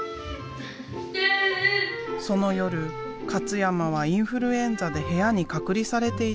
その夜勝山はインフルエンザで部屋に隔離されていた。